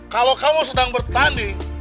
kalau kamu sedang bertanding